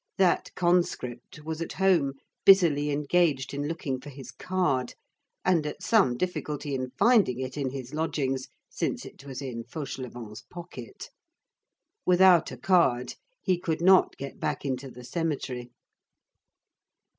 That "conscript" was at home busily engaged in looking for his card, and at some difficulty in finding it in his lodgings, since it was in Fauchelevent's pocket. Without a card, he could not get back into the cemetery.